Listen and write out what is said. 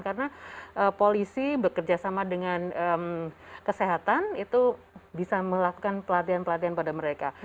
karena polisi bekerja sama dengan kesehatan itu bisa melakukan pelatihan pelatihan pada mereka